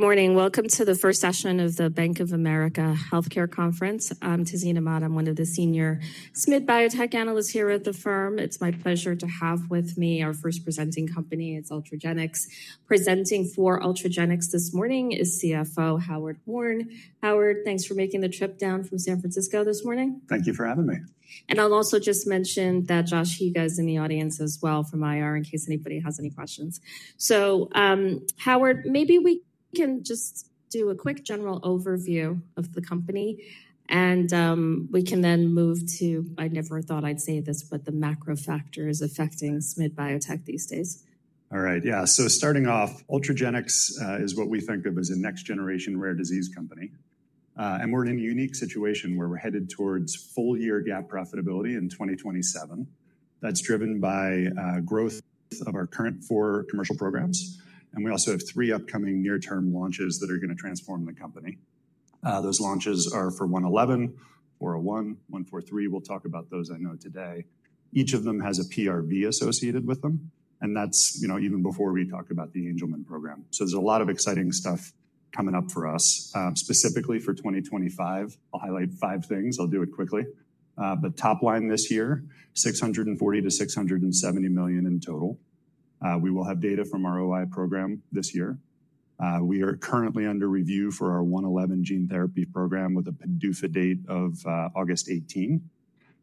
Good morning. Welcome to the first session of the Bank of America Healthcare Conference. I'm Tiziana Mott. I'm one of the senior SMid biotech analysts here at the firm. It's my pleasure to have with me our first presenting company. It's Ultragenyx. Presenting for Ultragenyx this morning is CFO Howard Horn. Howard, thanks for making the trip down from San Francisco this morning. Thank you for having me. I'll also just mention that Josh Higa is in the audience as well from IR, in case anybody has any questions. Howard, maybe we can just do a quick general overview of the company, and we can then move to, I never thought I'd say this, but the macro factors affecting SMid biotech these days. All right. Yeah. Starting off, Ultragenyx is what we think of as a next-generation rare disease company. We're in a unique situation where we're headed towards full-year GAAP profitability in 2027. That's driven by growth of our current four commercial programs. We also have three upcoming near-term launches that are going to transform the company. Those launches are for 111, 401, 143. We'll talk about those I know today. Each of them has a PRV associated with them. That's even before we talk about the Angelman program. There's a lot of exciting stuff coming up for us, specifically for 2025. I'll highlight five things. I'll do it quickly. Top line this year, $640 million-$670 million in total. We will have data from our OI program this year. We are currently under review for our 111 gene therapy program with a PDUFA date of August 18.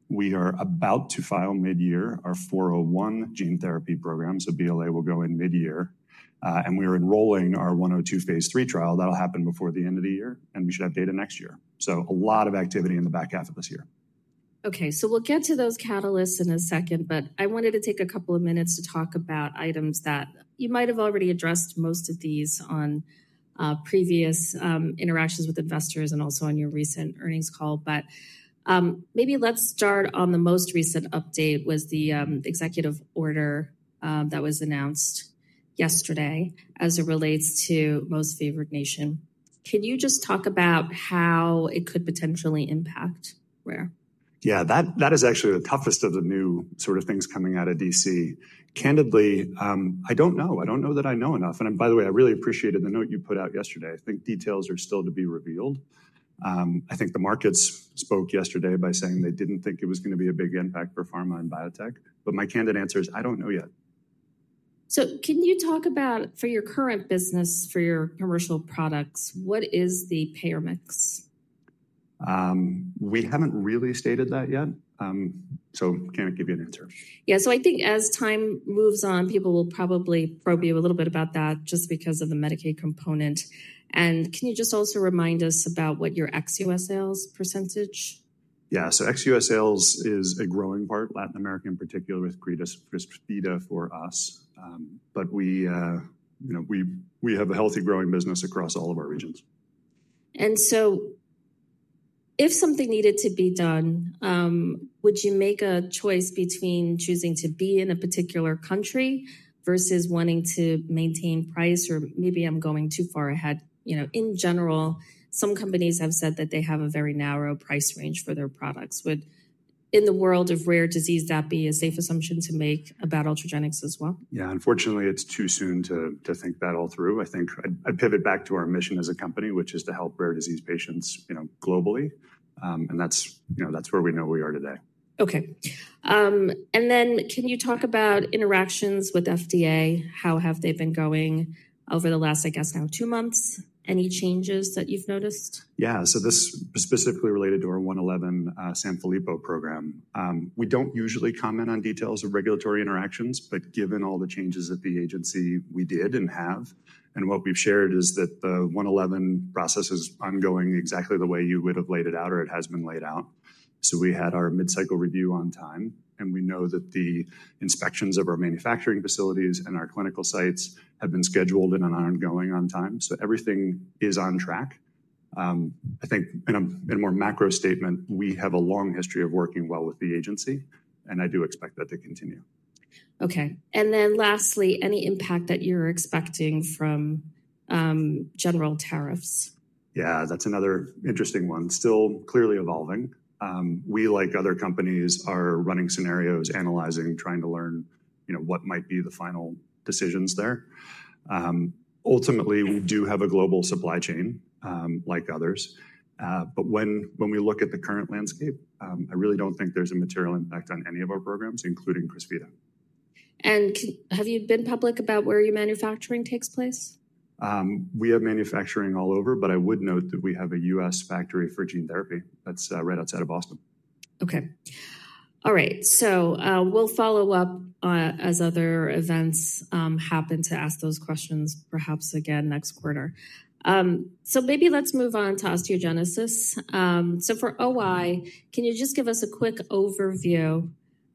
We are about to file mid-year our 401 gene therapy program. BLA will go in mid-year. We are enrolling our 102 phase III trial. That'll happen before the end of the year. We should have data next year. A lot of activity in the back half of this year. Okay. We'll get to those catalysts in a second. I wanted to take a couple of minutes to talk about items that you might have already addressed, most of these, on previous interactions with investors and also on your recent earnings call. Maybe let's start on the most recent update, which was the executive order that was announced yesterday as it relates to most favored nation. Can you just talk about how it could potentially impact rare? Yeah, that is actually the toughest of the new sort of things coming out of DC. Candidly, I do not know. I do not know that I know enough. And by the way, I really appreciated the note you put out yesterday. I think details are still to be revealed. I think the markets spoke yesterday by saying they did not think it was going to be a big impact for pharma and biotech. My candid answer is I do not know yet. Can you talk about for your current business, for your commercial products, what is the payer mix? We haven't really stated that yet. So I can't give you an answer. Yeah. I think as time moves on, people will probably probe you a little bit about that just because of the Medicaid component. Can you just also remind us about what your ex-U.S. sales percentage is? Yeah. Ex-U.S. sales is a growing part, Latin America in particular with CRYSVITA for us. We have a healthy growing business across all of our regions. If something needed to be done, would you make a choice between choosing to be in a particular country versus wanting to maintain price? Or maybe I'm going too far ahead. In general, some companies have said that they have a very narrow price range for their products. Would, in the world of rare disease, that be a safe assumption to make about Ultragenyx as well? Yeah. Unfortunately, it's too soon to think that all through. I think I pivot back to our mission as a company, which is to help rare disease patients globally. That's where we know we are today. Okay. Can you talk about interactions with FDA? How have they been going over the last, I guess, now two months? Any changes that you've noticed? Yeah. This is specifically related to our 111 Sanfilippo program. We do not usually comment on details of regulatory interactions, but given all the changes at the agency we did and have, and what we have shared is that the 111 process is ongoing exactly the way you would have laid it out or it has been laid out. We had our mid-cycle review on time. We know that the inspections of our manufacturing facilities and our clinical sites have been scheduled and are ongoing on time. Everything is on track. I think in a more macro statement, we have a long history of working well with the agency. I do expect that to continue. Okay. Lastly, any impact that you're expecting from general tariffs? Yeah, that's another interesting one. Still clearly evolving. We, like other companies, are running scenarios, analyzing, trying to learn what might be the final decisions there. Ultimately, we do have a global supply chain like others. When we look at the current landscape, I really do not think there's a material impact on any of our programs, including CRYSVITA. Have you been public about where your manufacturing takes place? We have manufacturing all over, but I would note that we have a U.S. factory for gene therapy that's right outside of Boston. Okay. All right. We'll follow up as other events happen to ask those questions, perhaps again next quarter. Maybe let's move on to osteogenesis. For OI, can you just give us a quick overview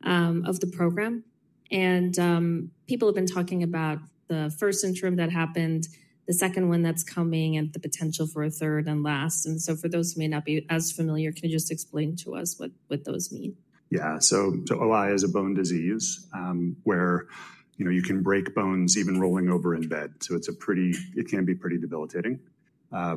of the program? People have been talking about the first interim that happened, the second one that's coming, and the potential for a third and last. For those who may not be as familiar, can you just explain to us what those mean? Yeah. OI is a bone disease where you can break bones even rolling over in bed. It can be pretty debilitating.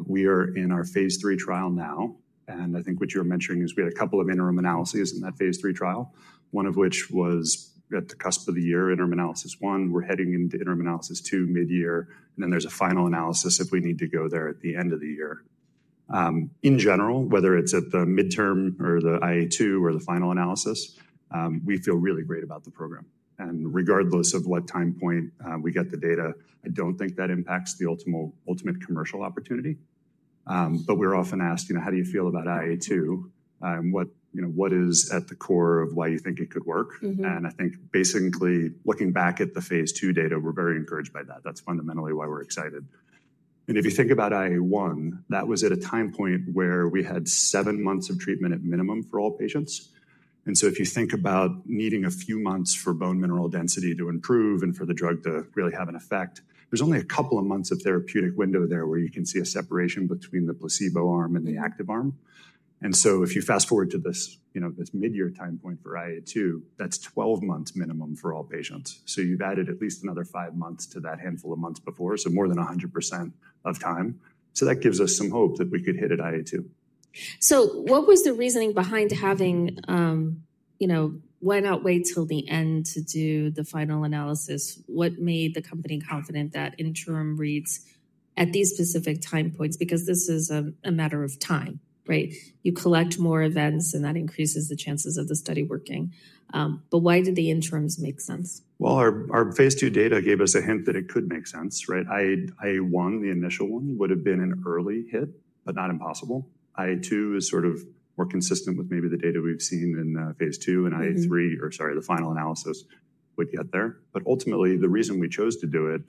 We are in our phase III trial now. I think what you're mentioning is we had a couple of interim analyses in that phase III trial, one of which was at the cusp of the year, interim analysis one. We're heading into interim analysis two mid-year. Then there's a final analysis if we need to go there at the end of the year. In general, whether it's at the midterm or the IA2 or the final analysis, we feel really great about the program. Regardless of what time point we get the data, I don't think that impacts the ultimate commercial opportunity. We're often asked, how do you feel about IA2? What is at the core of why you think it could work? I think basically looking back at the phase III data, we're very encouraged by that. That's fundamentally why we're excited. If you think about IA1, that was at a time point where we had seven months of treatment at minimum for all patients. If you think about needing a few months for bone mineral density to improve and for the drug to really have an effect, there's only a couple of months of therapeutic window there where you can see a separation between the placebo arm and the active arm. If you fast forward to this mid-year time point for IA2, that's 12 months minimum for all patients. You've added at least another five months to that handful of months before, so more than 100% of time. That gives us some hope that we could hit at IA2. What was the reasoning behind having, why not wait till the end to do the final analysis? What made the company confident that interim reads at these specific time points? This is a matter of time, right? You collect more events, and that increases the chances of the study working. Why did the interims make sense? Our phase II data gave us a hint that it could make sense, right? IA1, the initial one, would have been an early hit, but not impossible. IA2 is sort of more consistent with maybe the data we've seen in phase II. IA3, or sorry, the final analysis would get there. Ultimately, the reason we chose to do it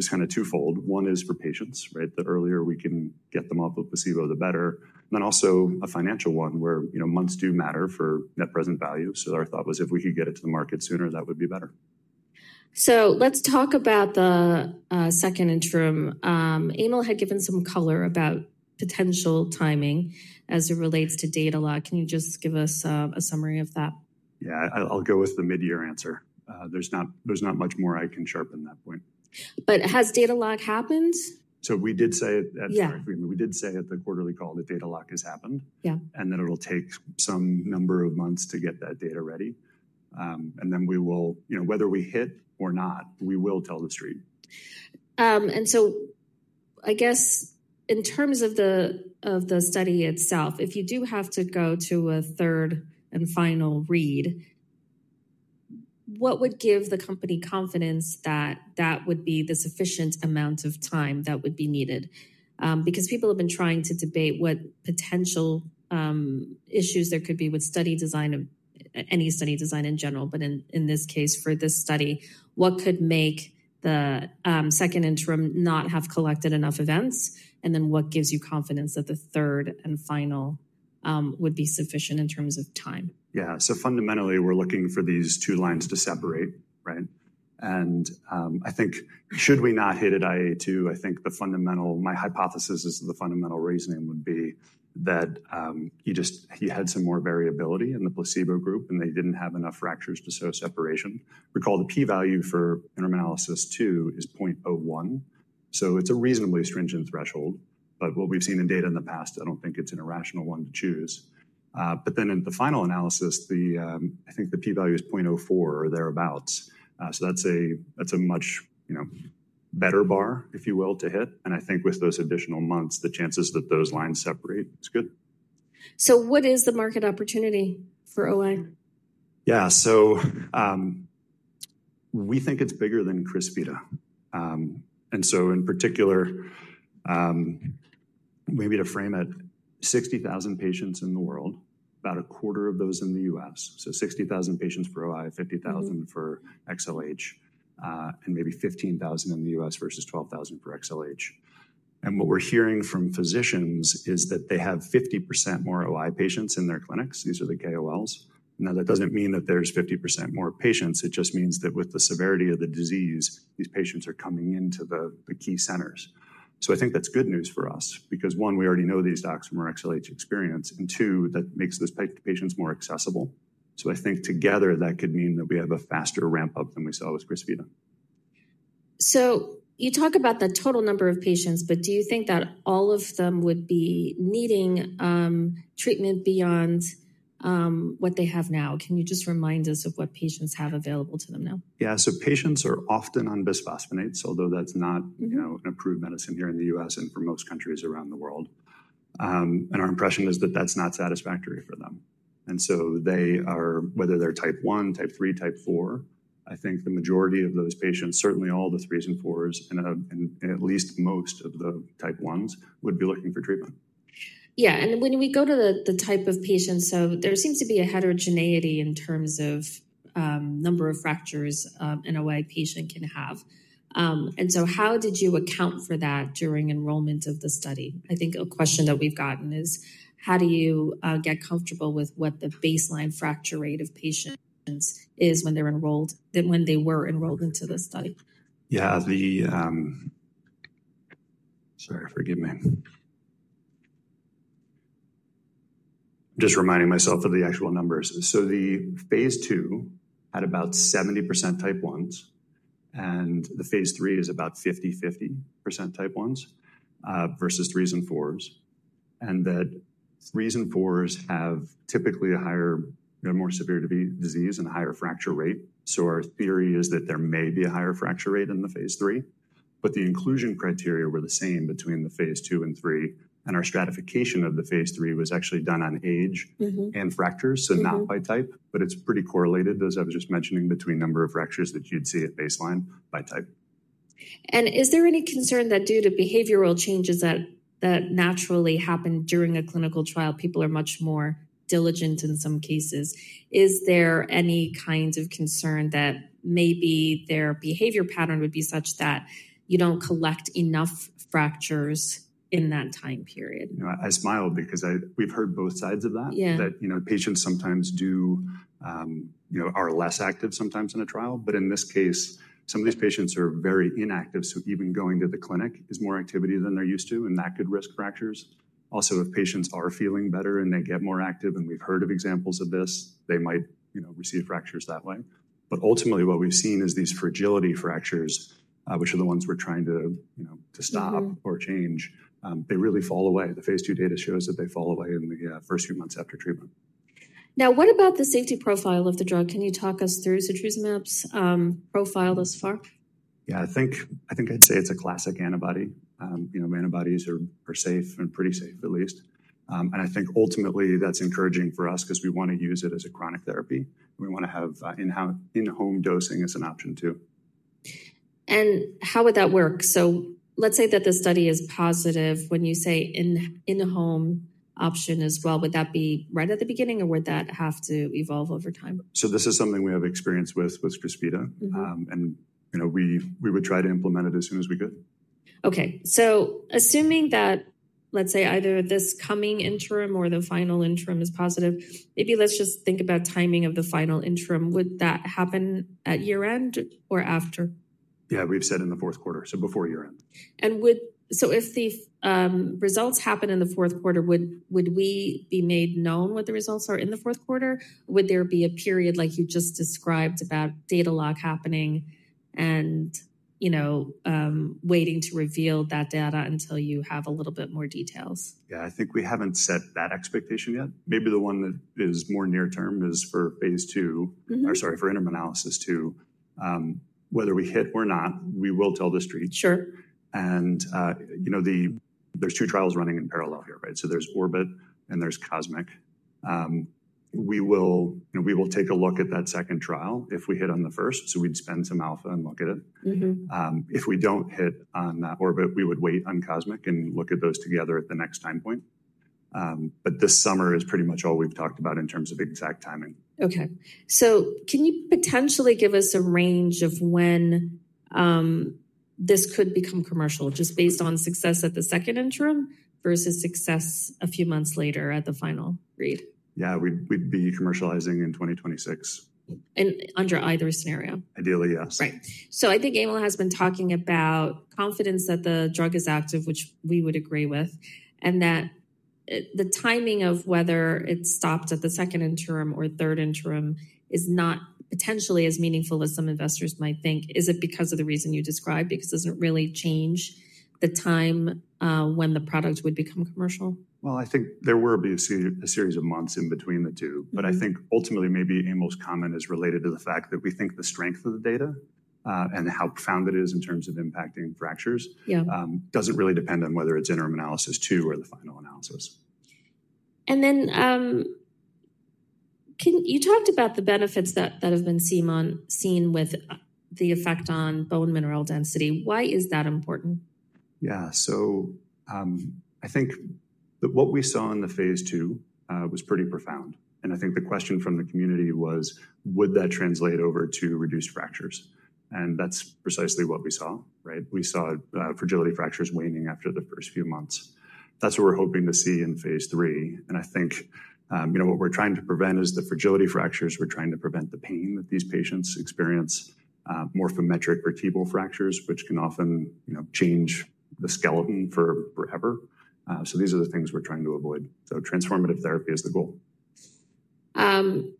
is kind of twofold. One is for patients, right? The earlier we can get them off of placebo, the better. Also a financial one where months do matter for net present value. Our thought was if we could get it to the market sooner, that would be better. Let's talk about the second interim. EMIL had given some color about potential timing as it relates to data log. Can you just give us a summary of that? Yeah, I'll go with the mid-year answer. There's not much more I can sharpen that point. Has data log happened? We did say at the quarterly call that data log has happened. Yeah. It will take some number of months to get that data ready. Then we will, whether we hit or not, we will tell the street. I guess in terms of the study itself, if you do have to go to a third and final read, what would give the company confidence that that would be the sufficient amount of time that would be needed? Because people have been trying to debate what potential issues there could be with study design, any study design in general, but in this case for this study, what could make the second interim not have collected enough events? And then what gives you confidence that the third and final would be sufficient in terms of time? Yeah. So fundamentally, we're looking for these two lines to separate, right? I think should we not hit at IA2, I think my hypothesis is the fundamental reasoning would be that you had some more variability in the placebo group, and they did not have enough fractures to show separation. Recall the P-value for interim analysis two is 0.01. It is a reasonably stringent threshold. What we have seen in data in the past, I do not think it is an irrational one to choose. In the final analysis, I think the P-value is 0.04 or thereabouts. That is a much better bar, if you will, to hit. I think with those additional months, the chances that those lines separate is good. What is the market opportunity for OI? Yeah. We think it's bigger than CRYSVITA. In particular, maybe to frame it, 60,000 patients in the world, about a quarter of those in the U.S. So 60,000 patients for OI, 50,000 for XLH, and maybe 15,000 in the U.S. versus 12,000 for XLH. What we're hearing from physicians is that they have 50% more OI patients in their clinics. These are the KOLs. That doesn't mean that there's 50% more patients. It just means that with the severity of the disease, these patients are coming into the key centers. I think that's good news for us because, one, we already know these docs from our XLH experience. Two, that makes these patients more accessible. I think together, that could mean that we have a faster ramp-up than we saw with CRYSVITA. You talk about the total number of patients, but do you think that all of them would be needing treatment beyond what they have now? Can you just remind us of what patients have available to them now? Yeah. Patients are often on bisphosphonates, although that's not an approved medicine here in the U.S. and for most countries around the world. Our impression is that that's not satisfactory for them. Whether they're type one, type three, type four, I think the majority of those patients, certainly all the threes and fours, and at least most of the type ones would be looking for treatment. Yeah. When we go to the type of patients, there seems to be a heterogeneity in terms of number of fractures an OI patient can have. How did you account for that during enrollment of the study? I think a question that we've gotten is, how do you get comfortable with what the baseline fracture rate of patients is when they were enrolled into the study? Yeah. Sorry, forgive me. I'm just reminding myself of the actual numbers. The phase II had about 70% type ones. The phase III is about 50/50 percent type ones versus threes and fours. Threes and fours have typically a more severe disease and a higher fracture rate. Our theory is that there may be a higher fracture rate in the phase III. The inclusion criteria were the same between the phase II and III. Our stratification of the phase III was actually done on age and fractures, not by type. It's pretty correlated, as I was just mentioning, between number of fractures that you'd see at baseline by type. Is there any concern that due to behavioral changes that naturally happen during a clinical trial, people are much more diligent in some cases? Is there any kind of concern that maybe their behavior pattern would be such that you do not collect enough fractures in that time period? I smile because we've heard both sides of that, that patients sometimes are less active sometimes in a trial. In this case, some of these patients are very inactive. Even going to the clinic is more activity than they're used to, and that could risk fractures. Also, if patients are feeling better and they get more active, and we've heard of examples of this, they might receive fractures that way. Ultimately, what we've seen is these fragility fractures, which are the ones we're trying to stop or change, they really fall away. The phase II data shows that they fall away in the first few months after treatment. Now, what about the safety profile of the drug? Can you talk us through setrusumab's profile thus far? Yeah. I think I'd say it's a classic antibody. Antibodies are safe and pretty safe, at least. I think ultimately, that's encouraging for us because we want to use it as a chronic therapy. We want to have in-home dosing as an option too. How would that work? Let's say that the study is positive. When you say in-home option as well, would that be right at the beginning, or would that have to evolve over time? This is something we have experience with with CRYSVITA. And we would try to implement it as soon as we could. Okay. Assuming that, let's say, either this coming interim or the final interim is positive, maybe let's just think about timing of the final interim. Would that happen at year-end or after? Yeah, we've said in the fourth quarter, so before year-end. If the results happen in the fourth quarter, would we be made known what the results are in the fourth quarter? Would there be a period like you just described about data log happening and waiting to reveal that data until you have a little bit more details? Yeah, I think we haven't set that expectation yet. Maybe the one that is more near-term is for phase II, or sorry, for interim analysis two. Whether we hit or not, we will tell the street. Sure. There are two trials running in parallel here, right? There is Orbit and there is Cosmic. We will take a look at that second trial if we hit on the first. We would spend some alpha and look at it. If we do not hit on Orbit, we would wait on Cosmic and look at those together at the next time point. This summer is pretty much all we have talked about in terms of exact timing. Okay. Can you potentially give us a range of when this could become commercial, just based on success at the second interim versus success a few months later at the final read? Yeah, we'd be commercializing in 2026. Under either scenario? Ideally, yes. Right. I think EMIL has been talking about confidence that the drug is active, which we would agree with, and that the timing of whether it stopped at the second interim or third interim is not potentially as meaningful as some investors might think. Is it because of the reason you described? Because it does not really change the time when the product would become commercial? I think there were a series of months in between the two. I think ultimately, maybe the most common is related to the fact that we think the strength of the data and how profound it is in terms of impacting fractures does not really depend on whether it is interim analysis two or the final analysis. You talked about the benefits that have been seen with the effect on bone mineral density. Why is that important? Yeah. So I think that what we saw in the phase II was pretty profound. I think the question from the community was, would that translate over to reduced fractures? That's precisely what we saw, right? We saw fragility fractures waning after the first few months. That's what we're hoping to see in phase III. I think what we're trying to prevent is the fragility fractures. We're trying to prevent the pain that these patients experience, morphometric vertebral fractures, which can often change the skeleton forever. These are the things we're trying to avoid. Transformative therapy is the goal.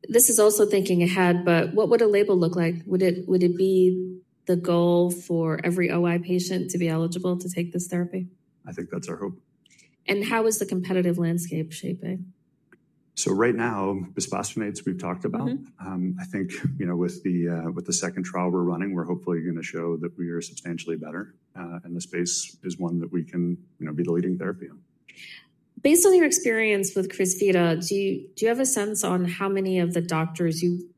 This is also thinking ahead, but what would a label look like? Would it be the goal for every OI patient to be eligible to take this therapy? I think that's our hope. How is the competitive landscape shaping? Right now, bisphosphonates we've talked about. I think with the second trial we're running, we're hopefully going to show that we are substantially better. The space is one that we can be the leading therapy on. Based on your experience with CRYSVITA, do you have a sense on how many of the doctors you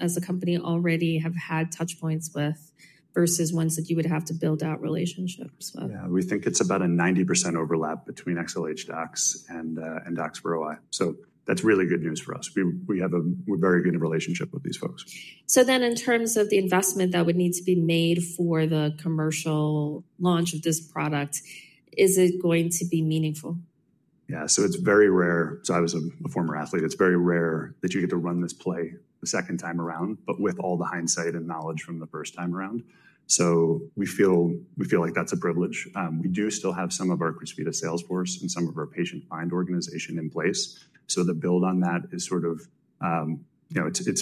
as a company already have had touchpoints with versus ones that you would have to build out relationships with? Yeah. We think it's about a 90% overlap between XLH docs and docs for OI. That's really good news for us. We have a very good relationship with these folks. Then in terms of the investment that would need to be made for the commercial launch of this product, is it going to be meaningful? Yeah. It is very rare. I was a former athlete. It is very rare that you get to run this play the second time around, but with all the hindsight and knowledge from the first time around. We feel like that is a privilege. We do still have some of our CRYSVITA sales force and some of our patient find organization in place. The build on that is sort of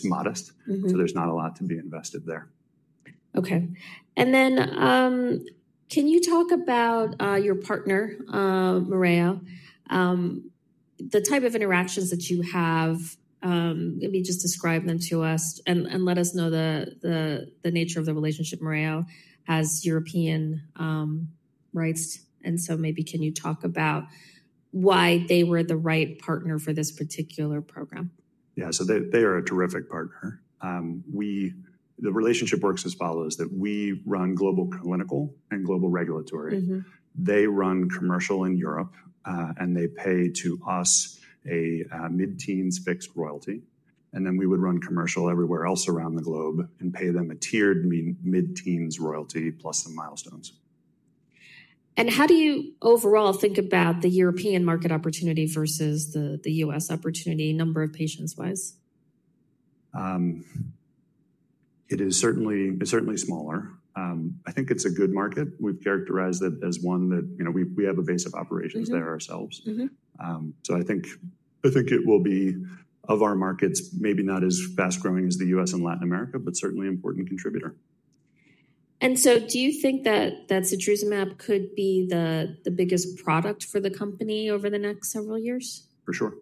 modest. There is not a lot to be invested there. Okay. Can you talk about your partner, Mereo? The type of interactions that you have, maybe just describe them to us and let us know the nature of the relationship. Mereo has European rights. Maybe can you talk about why they were the right partner for this particular program? Yeah. They are a terrific partner. The relationship works as follows: we run global clinical and global regulatory. They run commercial in Europe, and they pay to us a mid-teens fixed royalty. We would run commercial everywhere else around the globe and pay them a tiered mid-teens royalty plus some milestones. How do you overall think about the European market opportunity versus the U.S. opportunity number of patients-wise? It is certainly smaller. I think it's a good market. We've characterized it as one that we have a base of operations there ourselves. I think it will be, of our markets, maybe not as fast-growing as the U.S. and Latin America, but certainly an important contributor. Do you think that setrusumab could be the biggest product for the company over the next several years? For sure.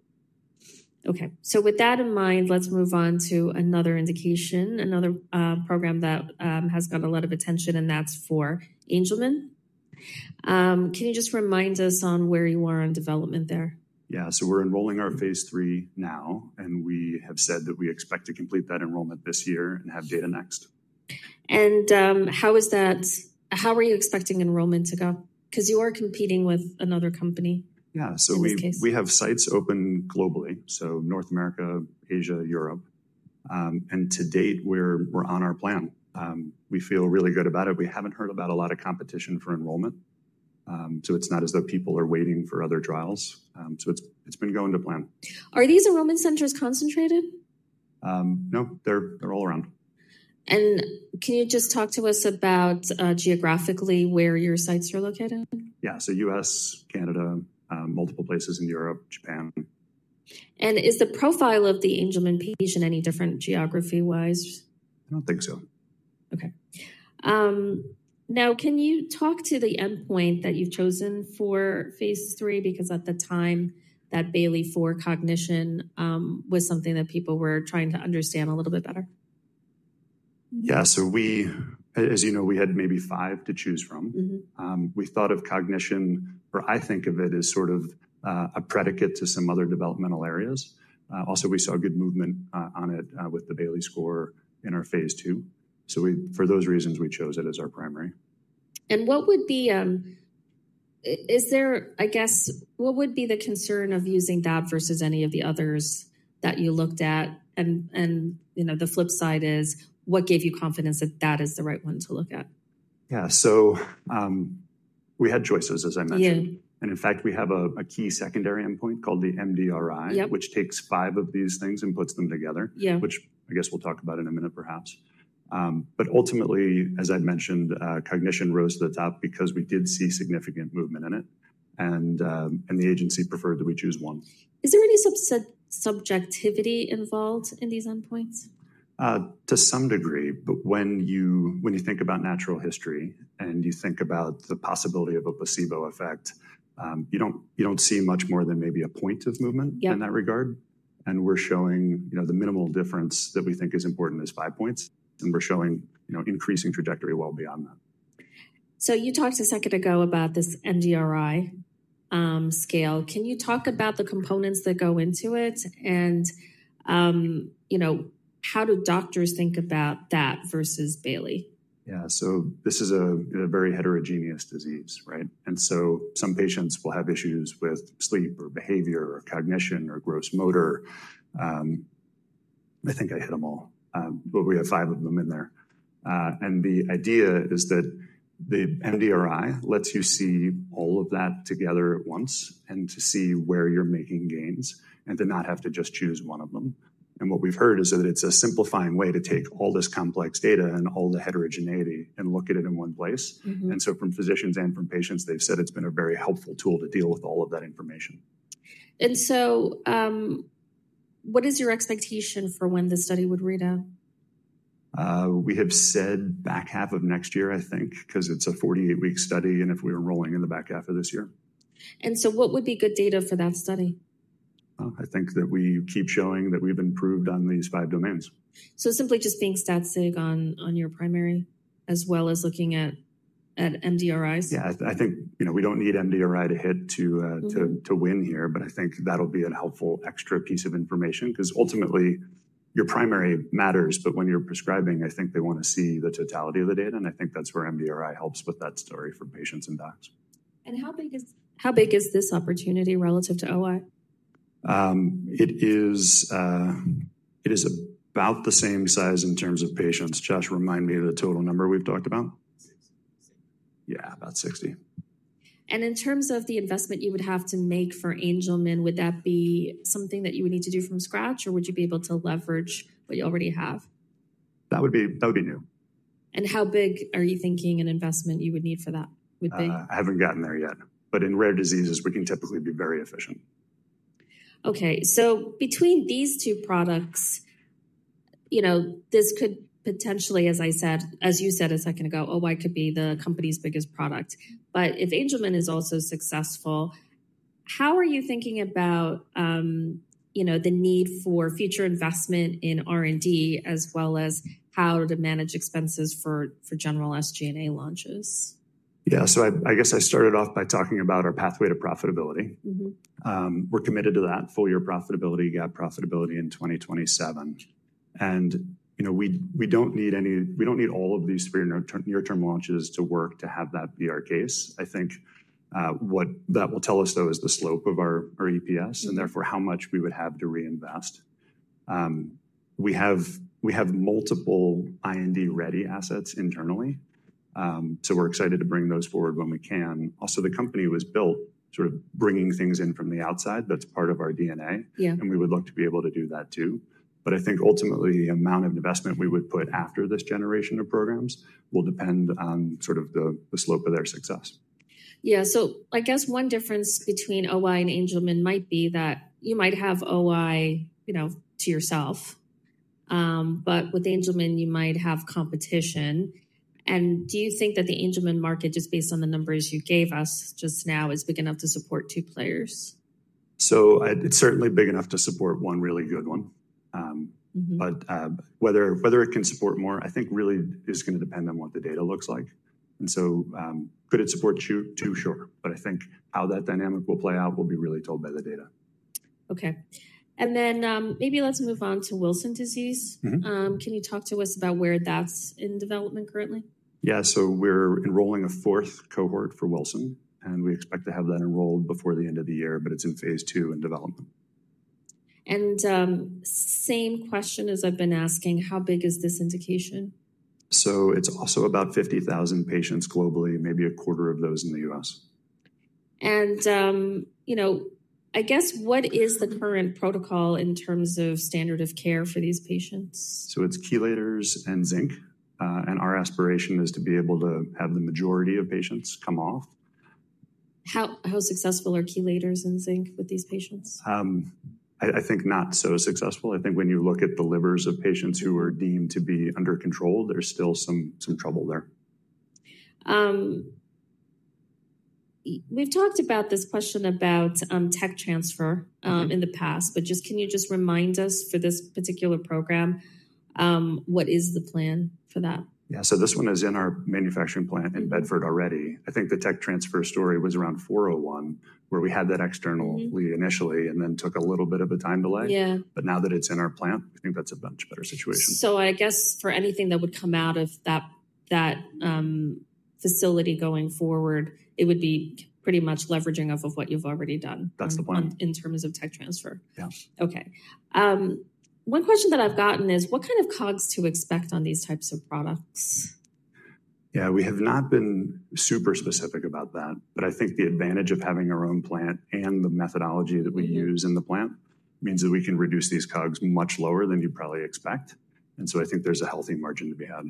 Okay. With that in mind, let's move on to another indication, another program that has got a lot of attention, and that's for Angelman. Can you just remind us on where you are on development there? Yeah. We are enrolling our phase III now, and we have said that we expect to complete that enrollment this year and have data next. How are you expecting enrollment to go? Because you are competing with another company in this case. Yeah. We have sites open globally, so North America, Asia, Europe. To date, we're on our plan. We feel really good about it. We haven't heard about a lot of competition for enrollment. It's not as though people are waiting for other trials. It's been going to plan. Are these enrollment centers concentrated? No. They're all around. Can you just talk to us about geographically where your sites are located? Yeah. U.S., Canada, multiple places in Europe, Japan. Is the profile of the Angelman patient any different geography-wise? I don't think so. Okay. Now, can you talk to the endpoint that you've chosen for phase III? Because at the time, that Bayley-4 cognition was something that people were trying to understand a little bit better. Yeah. As you know, we had maybe five to choose from. We thought of cognition, or I think of it as sort of a predicate to some other developmental areas. Also, we saw good movement on it with the Bayley score in our phase II. For those reasons, we chose it as our primary. What would be—I guess, what would be the concern of using that versus any of the others that you looked at? The flip side is, what gave you confidence that that is the right one to look at? Yeah. We had choices, as I mentioned. In fact, we have a key secondary endpoint called the MDRI, which takes five of these things and puts them together, which I guess we'll talk about in a minute, perhaps. Ultimately, as I've mentioned, cognition rose to the top because we did see significant movement in it. The agency preferred that we choose one. Is there any subjectivity involved in these endpoints? To some degree. When you think about natural history and you think about the possibility of a placebo effect, you do not see much more than maybe a point of movement in that regard. We are showing the minimal difference that we think is important is five points. We are showing increasing trajectory well beyond that. You talked a second ago about this MDRI scale. Can you talk about the components that go into it and how do doctors think about that versus Bayley? Yeah. This is a very heterogeneous disease, right? Some patients will have issues with sleep or behavior or cognition or gross motor. I think I hit them all, but we have five of them in there. The idea is that the MDRI lets you see all of that together at once and to see where you're making gains and to not have to just choose one of them. What we've heard is that it's a simplifying way to take all this complex data and all the heterogeneity and look at it in one place. From physicians and from patients, they've said it's been a very helpful tool to deal with all of that information. What is your expectation for when the study would read out? We have said back half of next year, I think, because it's a 48-week study and if we were rolling in the back half of this year. What would be good data for that study? I think that we keep showing that we've improved on these five domains. So simply just being static on your primary as well as looking at MDRIs? Yeah. I think we don't need MDRI to hit to win here, but I think that'll be a helpful extra piece of information because ultimately, your primary matters. When you're prescribing, I think they want to see the totality of the data. I think that's where MDRI helps with that story for patients and docs. How big is this opportunity relative to OI? It is about the same size in terms of patients. Josh, remind me of the total number we've talked about. Yeah, about 60. In terms of the investment you would have to make for Angelman, would that be something that you would need to do from scratch, or would you be able to leverage what you already have? That would be new. How big are you thinking an investment you would need for that would be? I haven't gotten there yet. In rare diseases, we can typically be very efficient. Okay. Between these two products, this could potentially, as I said, as you said a second ago, OI could be the company's biggest product. If Angelman is also successful, how are you thinking about the need for future investment in R&D as well as how to manage expenses for general SG&A launches? Yeah. I guess I started off by talking about our pathway to profitability. We're committed to that full-year profitability, GAAP profitability in 2027. We don't need any—we don't need all of these three near-term launches to work to have that be our case. I think what that will tell us, though, is the slope of our EPS and therefore how much we would have to reinvest. We have multiple IND-ready assets internally. We're excited to bring those forward when we can. Also, the company was built sort of bringing things in from the outside. That's part of our DNA. We would love to be able to do that too. I think ultimately, the amount of investment we would put after this generation of programs will depend on sort of the slope of their success. Yeah. I guess one difference between OI and Angelman might be that you might have OI to yourself, but with Angelman, you might have competition. Do you think that the Angelman market, just based on the numbers you gave us just now, is big enough to support two players? It's certainly big enough to support one really good one. Whether it can support more, I think really is going to depend on what the data looks like. Could it support two? Sure. I think how that dynamic will play out will be really told by the data. Okay. Maybe let's move on to Wilson disease. Can you talk to us about where that's in development currently? Yeah. So we're enrolling a fourth cohort for Wilson. And we expect to have that enrolled before the end of the year, but it's in phase II in development. Same question as I've been asking, how big is this indication? It's also about 50,000 patients globally, maybe a quarter of those in the U.S. What is the current protocol in terms of standard of care for these patients? It's chelators and zinc. Our aspiration is to be able to have the majority of patients come off. How successful are chelators and zinc with these patients? I think not so successful. I think when you look at the livers of patients who are deemed to be under control, there's still some trouble there. We've talked about this question about tech transfer in the past, but just can you just remind us for this particular program, what is the plan for that? Yeah. This one is in our manufacturing plant in Bedford already. I think the tech transfer story was around 401, where we had that externally initially and then took a little bit of a time delay. Now that it is in our plant, I think that is a much better situation. I guess for anything that would come out of that facility going forward, it would be pretty much leveraging off of what you've already done. That's the plan. In terms of tech transfer? Yeah. Okay. One question that I've gotten is, what kind of cogs to expect on these types of products? Yeah. We have not been super specific about that. I think the advantage of having our own plant and the methodology that we use in the plant means that we can reduce these cogs much lower than you probably expect. I think there is a healthy margin to be had.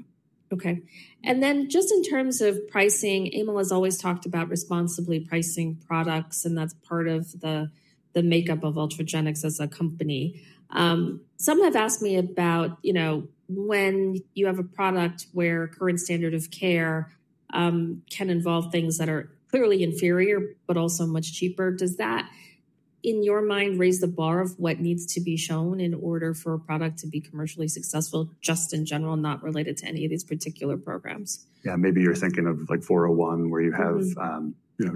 Okay. In terms of pricing, EMIL has always talked about responsibly pricing products, and that's part of the makeup of Ultragenyx as a company. Some have asked me about when you have a product where current standard of care can involve things that are clearly inferior but also much cheaper. Does that, in your mind, raise the bar of what needs to be shown in order for a product to be commercially successful just in general, not related to any of these particular programs? Yeah. Maybe you're thinking of like 401, where you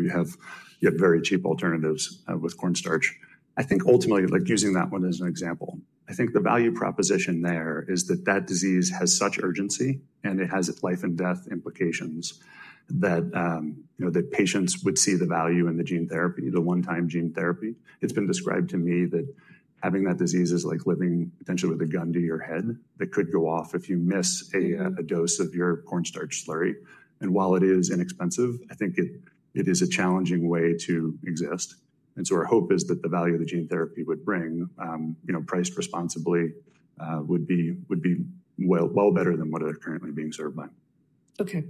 have very cheap alternatives with cornstarch. I think ultimately, using that one as an example, I think the value proposition there is that that disease has such urgency and it has its life-and-death implications that patients would see the value in the gene therapy, the one-time gene therapy. It's been described to me that having that disease is like living potentially with a gun to your head that could go off if you miss a dose of your cornstarch slurry. While it is inexpensive, I think it is a challenging way to exist. Our hope is that the value of the gene therapy would bring, priced responsibly, would be well better than what it's currently being served by. Okay.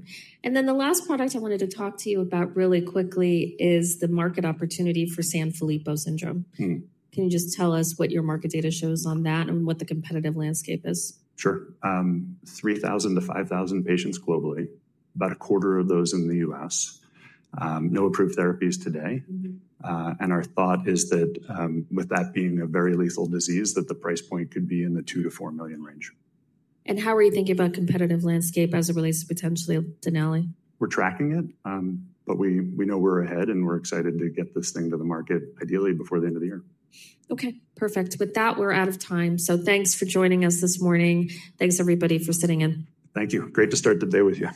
The last product I wanted to talk to you about really quickly is the market opportunity for Sanfilippo syndrome. Can you just tell us what your market data shows on that and what the competitive landscape is? Sure. 3,000 to 5,000 patients globally, about a quarter of those in the U.S. No approved therapies today. Our thought is that with that being a very lethal disease, the price point could be in the $2 million-$4 million range. How are you thinking about competitive landscape as it relates to potentially Denali? We're tracking it, but we know we're ahead, and we're excited to get this thing to the market ideally before the end of the year. Okay. Perfect. With that, we're out of time. Thanks for joining us this morning. Thanks, everybody, for sitting in. Thank you. Great to start the day with you.